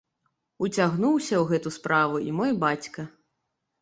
Уцягнуўся ў гэту справу і мой бацька.